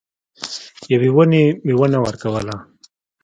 یوې ونې میوه نه ورکوله.